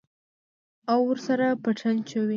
او ورسره پټن چوي.